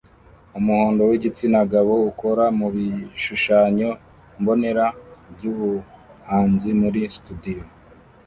umuhondo wigitsina gabo ukora mubishushanyo mbonera byubuhanzi muri studio